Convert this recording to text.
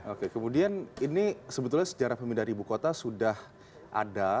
oke kemudian ini sebetulnya sejarah pemindahan ibu kota sudah ada